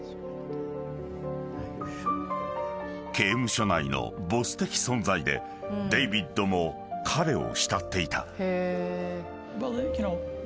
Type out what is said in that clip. ［刑務所内のボス的存在でデイビッドも彼を慕っていた］